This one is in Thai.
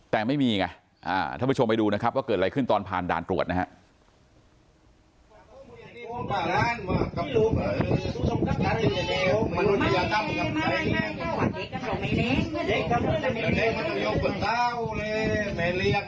แต่ไม่มีไงท่านผู้ชมไปดูนะครับว่าเกิดอะไรขึ้นตอนผ่านด่านตรวจนะครับ